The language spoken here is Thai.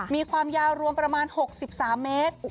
มีความยาวรวมประมาณ๖๓เมตร